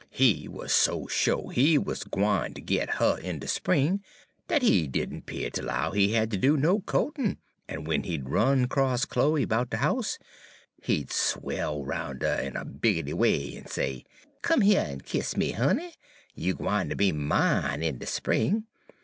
He wuz so sho' he wuz gwine ter git 'er in de spring, dat he did n' 'pear ter 'low he had ter do any co'tin', en w'en he 'd run 'cross Chloe 'bout de house, he 'd swell roun' 'er in a biggity way en say: "'Come heah en kiss me, honey. You gwine ter be mine in de spring.